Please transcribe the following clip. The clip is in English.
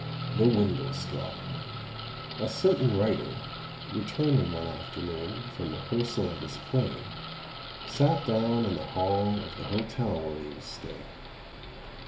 THE WINDLESTRAW A certain writer, returning one afternoon from rehearsal of his play, sat down in the hall of the hotel where he was staying.